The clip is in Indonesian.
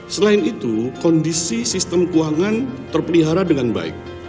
selain itu kondisi sistem keuangan terpelihara dengan baik